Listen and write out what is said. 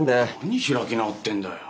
何開き直ってんだよ。